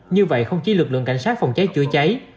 như vậy không chỉ lực lượng cảnh sát phòng cháy chữa cháy